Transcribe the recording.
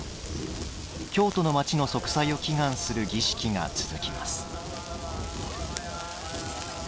京都の町の息災を祈願する儀式が続きます。